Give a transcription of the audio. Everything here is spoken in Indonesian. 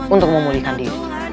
untuk memulihkan diri